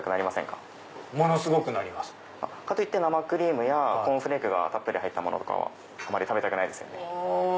かといって生クリームやコーンフレークがたっぷり入ったものとかはあまり食べたくないですよね？